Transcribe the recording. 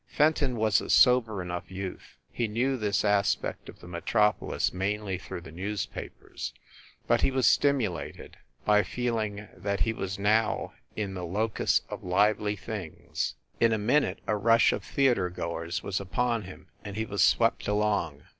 Fenton was a sober enough youth he knew this aspect of the metropolis mainly through the newspapers, but he was stimulated by feeling that he was now in the THE CAXTON DINING ROOM 153 locus of lively things. In a minute a rush of thea ter goers was upon him and he was swept along.